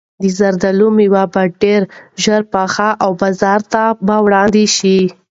د زردالو مېوه به ډېر ژر پخه او بازار ته به وړاندې شي.